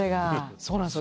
そうなんですよ。